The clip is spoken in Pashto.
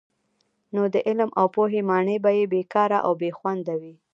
نو د علم او پوهي ماڼۍ به بې کاره او بې خونده وي.